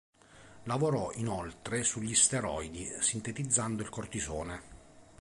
Lavorò inoltre sugli steroidi, sintetizzando il cortisone.